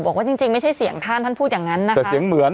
บอกว่าจริงจริงไม่ใช่เสียงท่านท่านพูดอย่างนั้นนะคะแต่เสียงเหมือน